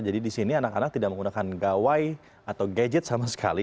jadi di sini anak anak tidak menggunakan gawai atau gadget sama sekali